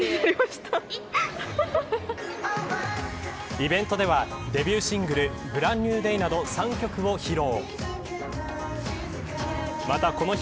イベントではデビューシングルＢｒａｎｄＮｅｗＤａｙなど３曲を披露。